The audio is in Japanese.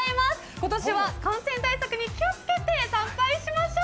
今年は、感染対策に気を付けて参拝しましょう。